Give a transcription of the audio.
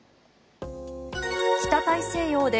北大西洋で